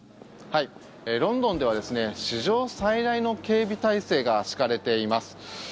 ロンドンでは史上最大の警備態勢が敷かれています。